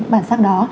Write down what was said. bản sắc đó